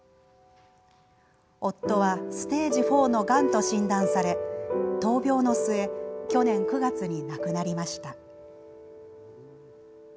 夫はステージ４のがんと診断され闘病の末去年９月に亡くなりました。